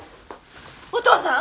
お父さん！？